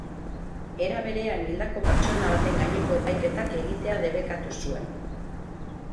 Era berean hildako pertsona baten gaineko epaiketak egitea debekatu zuen.